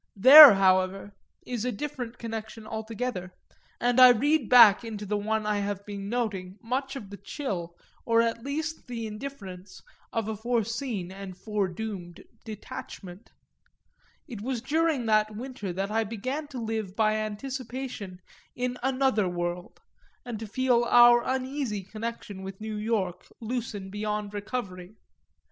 That, however, is a different connection altogether, and I read back into the one I have been noting much of the chill, or at least the indifference, of a foreseen and foredoomed detachment: it was during that winter that I began to live by anticipation in another world and to feel our uneasy connection with New York loosen beyond recovery.